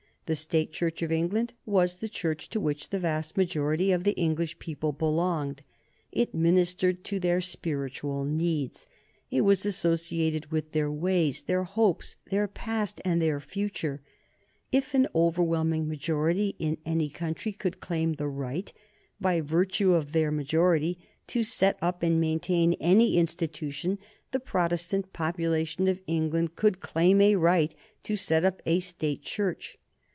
The State Church of England was the Church to which the vast majority of the English people belonged. It ministered to their spiritual needs, it was associated with their ways, their hopes, their past, and their future. If an overwhelming majority in any country could claim the right, by virtue of their majority, to set up and maintain any institution, the Protestant population of England could claim a right to set up a State Church.